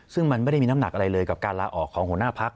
ซึ่งมันไม่ได้มีน้ำหนักอะไรเลยกับการลาออกของหัวหน้าพัก